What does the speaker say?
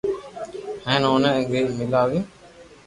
ھين اوني گيي ميلاويو